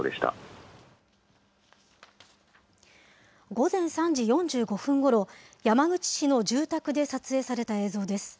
午前３時４５分ごろ、山口市の住宅で撮影された映像です。